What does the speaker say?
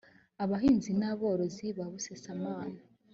abahinzi n aborozi ba busasamana